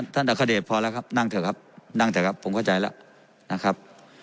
อัคเดชพอแล้วครับนั่งเถอะครับนั่งเถอะครับผมเข้าใจแล้วนะครับ